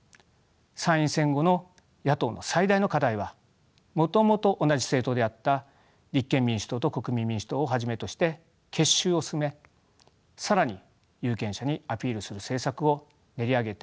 参院選後の野党の最大の課題はもともと同じ政党であった立憲民主党と国民民主党をはじめとして結集を進め更に有権者にアピールする政策を練り上げていくことです。